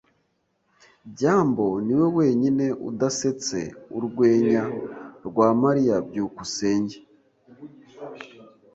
byambo niwe wenyine udasetse urwenya rwa Mariya. byukusenge